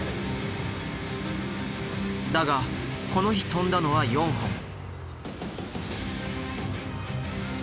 だがこの日飛んだのは４本。